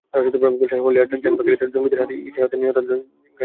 গুলশানের Holey Artisan বেকারিতে জঙ্গিদের হাতে নিহত ইশরাত আকন্দের দাফন হবে গাজীপুরে।